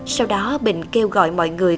sau đó bình kêu gọi mọi người